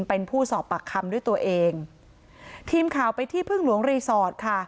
เป็นผู้สอบปากคำด้วยตัวเองทีมข่าวไปที่พึ่งหลวงรีสอร์ทค่ะ